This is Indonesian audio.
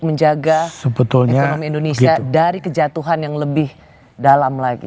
menjaga ekonomi indonesia dari kejatuhan yang lebih dalam lagi